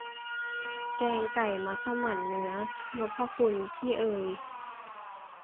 แกงไก่มัสหมั่นเนื้อ นพคุณ พี่เอย